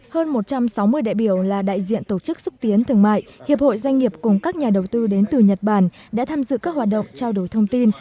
hơn một trăm sáu mươi đại biểu là đại diện tổ chức xúc tiến thương mại hiệp hội doanh nghiệp cùng các nhà đầu tư đến từ nhật bản đã tham dự các hoạt động trao đổi thông tin